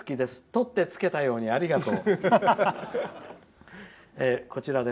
とってつけたようにありがとう。